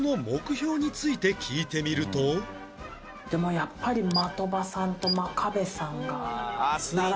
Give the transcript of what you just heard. やっぱり的場さんと真壁さんが。